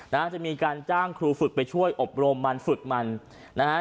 นะฮะจะมีการจ้างครูฝึกไปช่วยอบรมมันฝึกมันนะฮะ